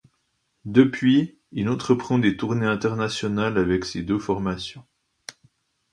Depuis, il entreprend des tournées internationales avec ces deux formations.